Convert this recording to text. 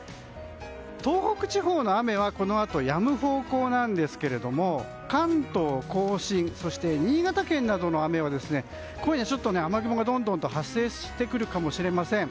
東北地方の雨はこのあと、やむ方向なんですが関東・甲信そして新潟県などの雨は今夜、雨雲がどんどんと発生してくるかもしれません。